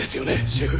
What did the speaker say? シェフ。